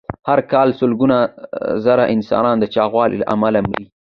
هر کال سلګونه زره انسانان د چاغوالي له امله مري.